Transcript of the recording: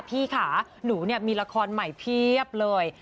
พี่ค่ะหนูมีละครใหม่เพียบเลย